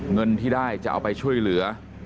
เงินที่ได้จะเอาไปช่วยเหลือ